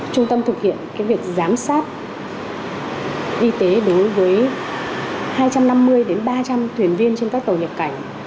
trung tâm thực hiện việc giám sát y tế đối với hai trăm năm mươi ba trăm linh thuyền viên trên các tàu nhập cảnh